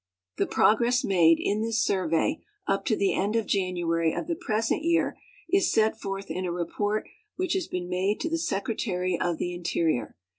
The ])rogress made in this survey up to the end of January of the present }'ear is set forth in a report which has been made to the Secretary of the Interior.